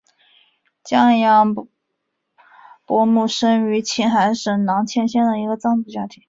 降央伯姆生于青海省囊谦县的一个藏族家庭。